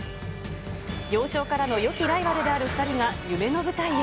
幼少からのよきライバルである２人が、夢の舞台へ。